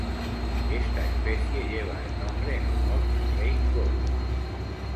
Esta especie lleva el nombre en honor a Craig Rhodes.